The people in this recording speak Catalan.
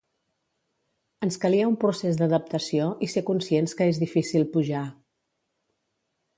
Ens calia un procés d'adaptació i ser conscients que és difícil pujar.